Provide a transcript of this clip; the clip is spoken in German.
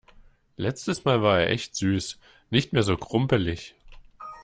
Letztes mal war er echt süß. Nicht mehr so krumpelig.